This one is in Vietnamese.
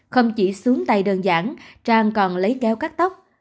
không chỉ xuống tay đơn giản trang còn lấy kéo cắt tóc